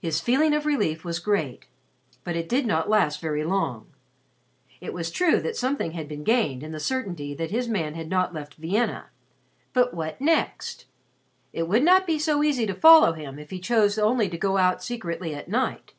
His feeling of relief was great, but it did not last very long. It was true that something had been gained in the certainty that his man had not left Vienna. But what next? It would not be so easy to follow him if he chose only to go out secretly at night.